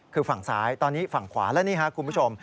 คือฝั่งซ้ายตอนนี้ฝั่งขวาและนี่ครับคุณผู้ชม